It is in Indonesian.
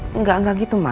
tidak tidak begitu ma